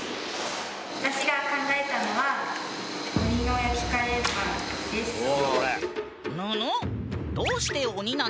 私が考えたのはぬぬ！